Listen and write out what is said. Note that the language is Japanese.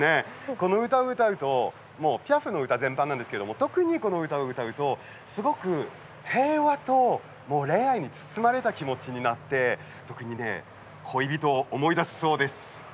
この歌を歌うとピアフの歌全般なんですけど特にこの歌を歌うとすごく平和と恋愛に包まれた気持ちになって時に恋人を思い出すそうです。